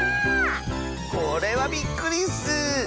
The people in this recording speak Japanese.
これはびっくりッス！